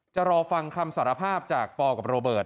จะรอฟังคำสารภาพจากปกับโรเบิร์ต